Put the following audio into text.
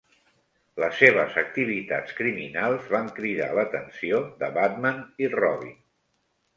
Les seves activitats criminals van cridar l'atenció de Batman i Robin.